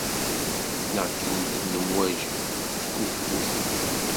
Neɣ kkrent-d lemwaǧi, ttkuffutent.